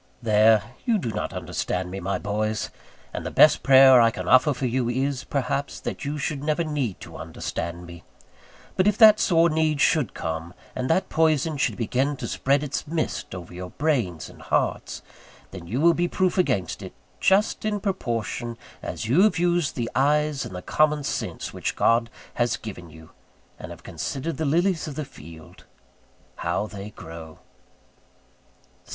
There, you do not understand me, my boys; and the best prayer I can offer for you is, perhaps, that you should never need to understand me: but if that sore need should come, and that poison should begin to spread its mist over your brains and hearts, then you will be proof against it; just in proportion as you have used the eyes and the common sense which God has given you, and have considered the lilies of the field, how they grow.